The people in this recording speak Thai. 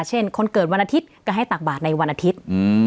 เช่นคนเกิดวันอาทิตย์ก็ให้ตักบาทในวันอาทิตย์